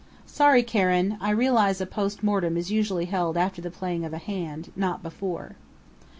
"Sorry, Karen! I realize a post mortem is usually held after the playing of a hand not before."